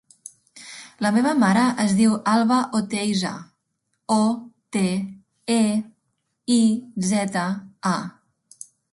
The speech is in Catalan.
La meva mare es diu Alba Oteiza: o, te, e, i, zeta, a.